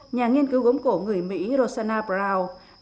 nhà nghiên cứu gốm cổ người mỹ rosanna brown